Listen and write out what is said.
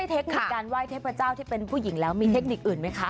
เทคนิคการไหว้เทพเจ้าที่เป็นผู้หญิงแล้วมีเทคนิคอื่นไหมคะ